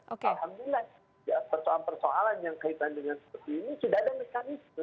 alhamdulillah persoalan persoalan yang kaitan dengan seperti ini sudah ada mekanisme